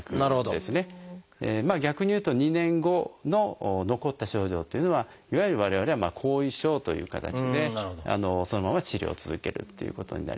逆にいうと２年後の残った症状というのはいわゆる我々は後遺症という形でそのまま治療を続けるっていうことになりますでしょうかね。